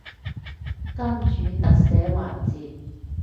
金主特寫環節